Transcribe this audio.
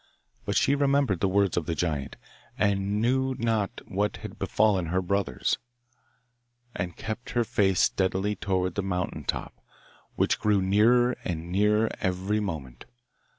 But she remembered the words of the giant, and knew not what had befallen her brothers, and kept her face steadily towards the mountain top, which grew nearer and nearer every moment.